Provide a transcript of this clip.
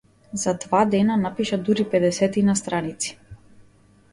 За два дена напиша дури педесетина страници.